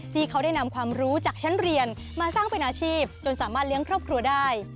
ที่เขาได้นำความรู้จากชั้นเรียนมาสร้างเป็นอาชีพจนสามารถเลี้ยงครอบครัวได้